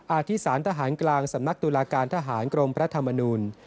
อาธิสารทหารกลางสำนักตุลาการทหารกรมพระธรรมนูล